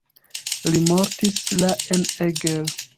Li mortis la en Eger.